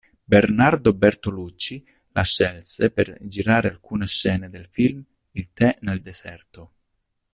Bernardo Bertolucci la scelse per girare alcune scene del film "Il tè nel deserto".